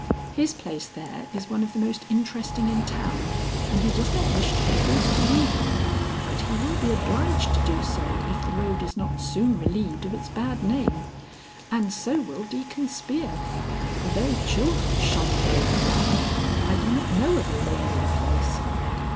His place there is one of the most interesting in town, and he does not wish to be forced to leave it, but he will be obliged to do so if the road is not soon relieved of its bad name; and so will Deacon Spear. The very children shun the road now. I do not know of a lonelier place."